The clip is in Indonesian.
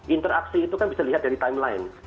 interaksi itu kan bisa dilihat dari timeline